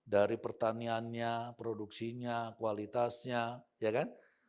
dari pertaniannya produksinya kualitasnya ya kan